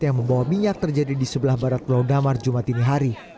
yang membawa minyak terjadi di sebelah barat pulau damar jumat ini hari